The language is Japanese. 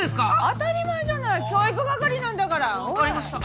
当たり前じゃない教育係なんだから。わかりました。